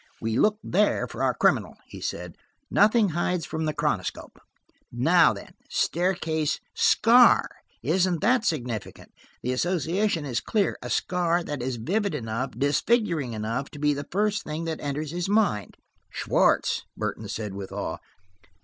"We look there for our criminal," he said. "Nothing hides from the chronoscope. Now then, 'staircase–scar.' Isn't that significant? The association is clear: a scar that is vivid enough, disfiguring enough, to be the first thing that enters his mind." "Schwartz!" Burton said with awe.